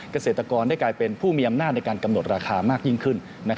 เกษตรกรได้กลายเป็นผู้มีอำนาจในการกำหนดราคามากยิ่งขึ้น